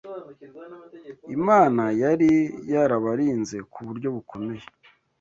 Imana yari yarabarinze ku buryo bukomeye